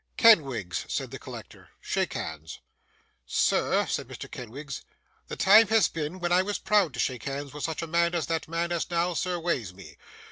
'Kenwigs,' said the collector, 'shake hands.' 'Sir,' said Mr. Kenwigs, 'the time has been, when I was proud to shake hands with such a man as that man as now surweys me.